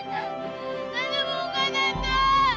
tante buka tante